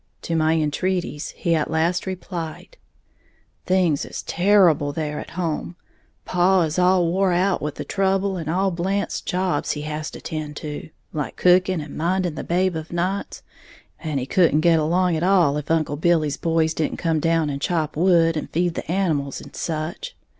To my entreaties he at last replied, "Things is terrible there at home, paw is all wore out with the trouble, and all Blant's jobs he has to tend to, like cooking and minding the babe of nights, and he couldn't get along at all if Uncle Billy's boys didn't come down and chop wood, and feed the animals, and such.